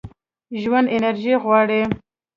ژوند انرژي غواړي.